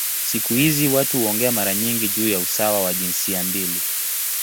Siku hizi watu huongea mara nyingi juu ya usawa wa jinsia mbili.